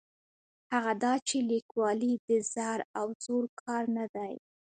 هغه دا چې لیکوالي د زر او زور کار نه دی.